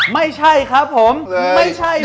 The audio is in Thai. ไม่ใช่ครับผมไม่ใช่ครับ